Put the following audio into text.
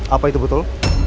apa itu betul